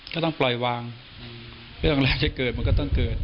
ก็ต้องปล่อยวางไม่ต้องเรียกว่าจะเกิดมันก็ต้องเกิด